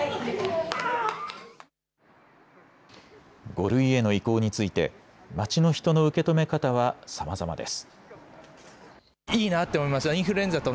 ５類への移行について街の人の受け止め方は、さまざまです。